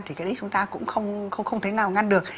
thì cái đấy chúng ta cũng không thể nào ngăn được